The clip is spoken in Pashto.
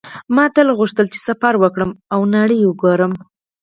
ما تل غوښتل چې سفر وکړم او نړۍ وګورم